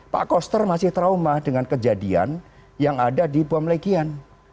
pak koster masih trauma dengan kejadian yang ada di bom legian